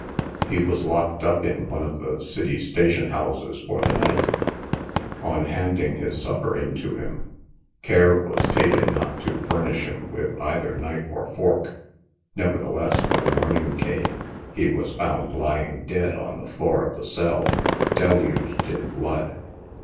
He was locked up in one of the city station houses for the night ; on handing his supper into him, care was taken not to furnish him with either knife or fork. Nevertheless, when morning came, he v^ as found lying dead on the floor of the cell, deluged in blood.